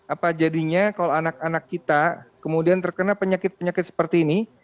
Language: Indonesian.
apa jadinya kalau anak anak kita kemudian terkena penyakit penyakit seperti ini